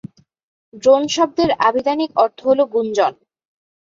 Drone শব্দের আভিধানিক অর্থ হল গুঞ্জন।